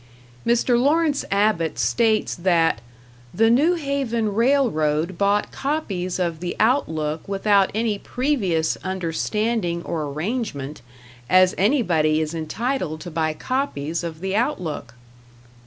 Mr. Lawrence Abbott states that "the New Haven Railroad bought copies of the 'Outlook' without any previous understanding or arrangement as anybody is entitled to buy copies of the 'Outlook'."